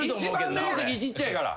一番面積ちっちゃいから。